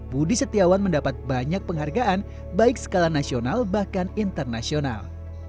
budi setiawan mendapat banyak penghargaan baik skala nasional bahkan internasional